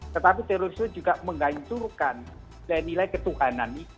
tetapi terorisme juga menggancurkan nilai ketuhanan